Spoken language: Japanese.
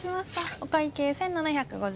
お会計１，７５０円です。